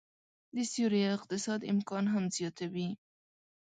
د سیوري اقتصاد امکان هم زياتوي